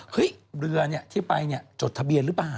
เห้ยเรือที่ไปนี่จดทะเบียนหรือเปล่า